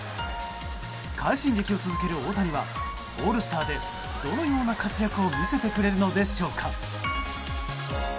快進撃を続ける大谷はオールスターでどのような活躍を見せてくれるのでしょうか。